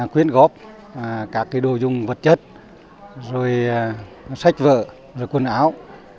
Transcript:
quyên góp các đồ dùng vật chất sách vợ quần áo